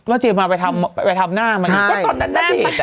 ว่าเจมมาไปทำไปทำหน้ามันใช่ตอนนั้นน่ะแดท